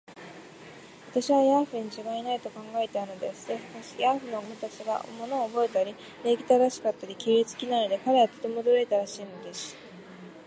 私をヤーフにちがいない、と考えていたのです。しかし、ヤーフの私が物をおぼえたり、礼儀正しかったり、綺麗好きなので、彼はとても驚いたらしいのです。